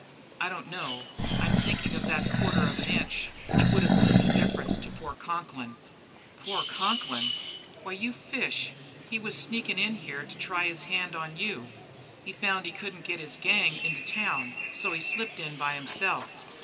"I don't know; I'm thinking of that quarter of an inch which would have meant the difference to poor Conklin." "'Poor' Conklin? Why, you fish, he was sneakin' in here to try his hand on you. He found out he couldn't get his gang into town, so he slipped in by himself.